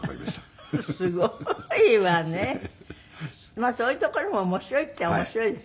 まあそういうところも面白いっちゃ面白いですけどね。